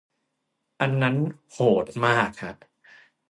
อันนั้นโหดมากฮะ